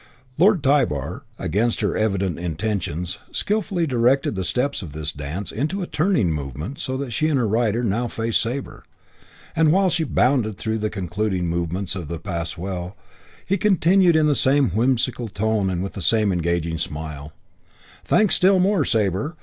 Lord Tybar, against her evident intentions, skilfully directed the steps of this dance into a turning movement so that she and her rider now faced Sabre; and while she bounded through the concluding movements of the pas seul he continued in the same whimsical tone and with the same engaging smile, "Thanks still more, Sabre.